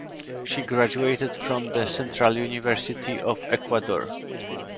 She graduated from the Central University of Ecuador.